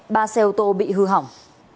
ba xe ô tô bị hư hỏng